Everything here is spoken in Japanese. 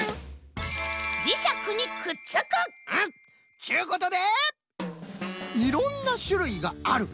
っちゅうことで「いろんなしゅるいがある」。